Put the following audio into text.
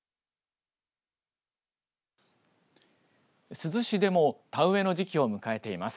珠洲市でも田植えの時期を迎えています。